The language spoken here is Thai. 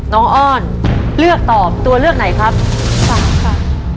อ้อนเลือกตอบตัวเลือกไหนครับสามค่ะ